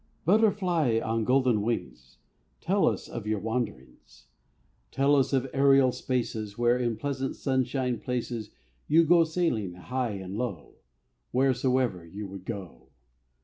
Butterfly, on golden wings, Tell us of your wanderings! Tell us of aerial spaces, Where, in pleasant sunshine places, You go sailing high and low, Wheresoever you would go!